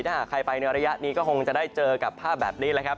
ถ้าหากใครไปในระยะนี้ก็คงจะได้เจอกับภาพแบบนี้แหละครับ